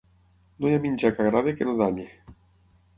No hi ha menjar que agradi que no danyi.